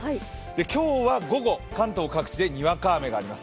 今日は午後、関東各地でにわか雨があります。